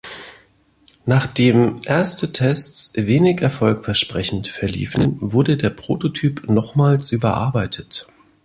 Nachdem erste Tests wenig erfolgversprechend verliefen, wurde der Prototyp nochmals überarbeitet.